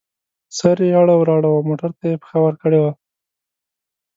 سر یې اړو را اړوو او موټر ته یې پښه ورکړې وه.